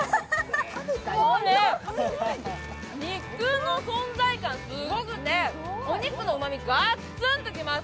もうね、肉の存在感、すごくてお肉のうまみガツンと来ます。